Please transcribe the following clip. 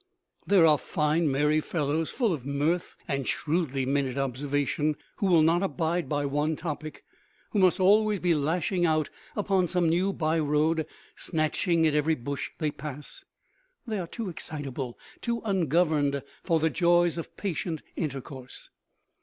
There are fine merry fellows, full of mirth and shrewdly minted observation, who will not abide by one topic, who must always be lashing out upon some new byroad, snatching at every bush they pass. They are too excitable, too ungoverned for the joys of patient intercourse.